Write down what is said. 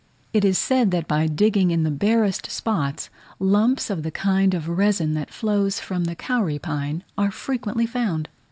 It is said, that by digging in the barest spots, lumps of the kind of resin which flows from the kauri pine are frequently found.